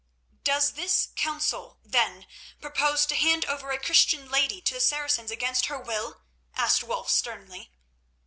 "Does this council, then, propose to hand over a Christian lady to the Saracens against her will?" asked Wulf sternly.